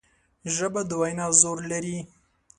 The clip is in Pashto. ژبه د وینا زور لري